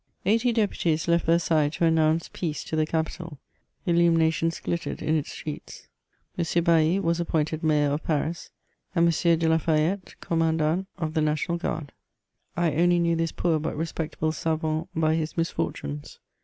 Eighty deputies left Versailles to announce peace to the capital — illuminations glittered in its streets. M. Bailly was appointed Mayor of Paris, and M. de la Fayette commandant of the National Guard ; I only knew this poor but respectable savant by his misfortunes.